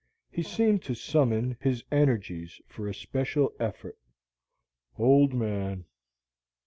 He seemed to summon his energies for a special effort. "Old man!"